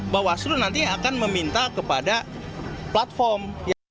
bawaslu nanti akan meminta kepada platform